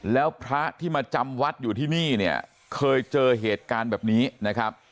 แล้วพระที่มาจำวัดอยู่ที่นี่เนี่ยเคยเจอเหตุการณ์แบบนี้นะครับ